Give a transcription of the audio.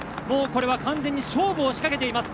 これは完全に勝負を仕掛けています。